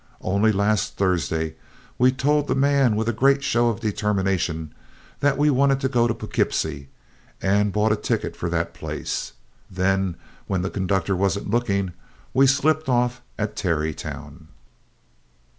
Only last Thursday we told the man with a great show of determination that we wanted to go to Poughkeepsie and bought a ticket for that place. Then, when the conductor wasn't looking we slipped off at Tarrytown.